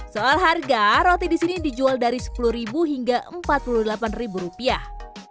soal harga roti di sini dijual dari sepuluh hingga empat puluh delapan rupiah